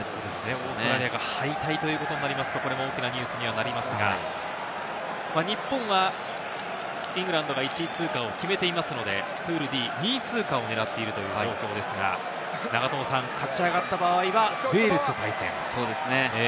オーストラリアが敗退ということになりますと大きなニュースになりますが、日本はイングランドが１位通過を決めていますので、プールＤ２位通過を狙っているという状況ですが、勝ち上がった場合はウェールズと対戦。